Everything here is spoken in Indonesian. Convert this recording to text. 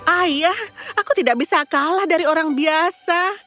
ayah aku tidak bisa kalah dari orang biasa